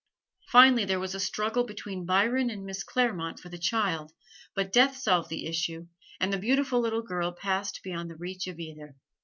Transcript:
Finally there was a struggle between Byron and Miss Clairmont for the child: but death solved the issue and the beautiful little girl passed beyond the reach of either.